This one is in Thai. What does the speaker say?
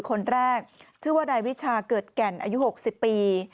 คนแรกชื่อว่านายวิชาเกิดแก่นอายุ๖๐ปี